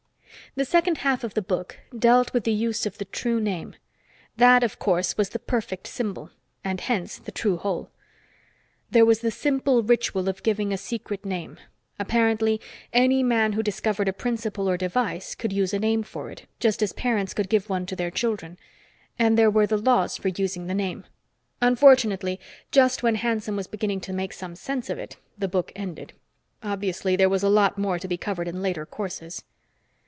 The second half of the book dealt with the use of the true name. That, of course, was the perfect symbol, and hence the true whole. There was the simple ritual of giving a secret name. Apparently any man who discovered a principle or device could use a name for it, just as parents could give one to their children. And there were the laws for using the name. Unfortunately, just when Hanson was beginning to make some sense of it, the book ended. Obviously, there was a lot more to be covered in later courses.